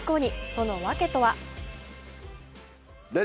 その訳とは？